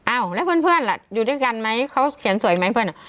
อ้าวแล้วเพื่อนล่ะอยู่ด้วยกันไหมเขาเขียนสวยไหมเพื่อน